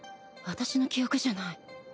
あたしの記憶じゃない。